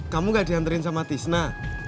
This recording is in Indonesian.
kamu ga dihanterin sama tisna